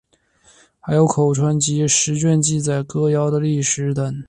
还有口传集十卷记载歌谣的历史等。